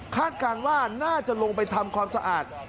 การว่าน่าจะลงไปทำความสะอาด